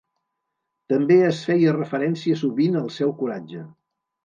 També es feia referència sovint al seu coratge.